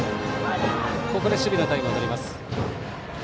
ここで守備のタイムをとります。